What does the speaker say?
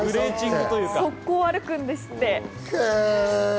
側溝を歩くんですって。